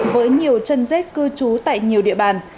với nhiều chân dết cư trú tại nhiều địa bàn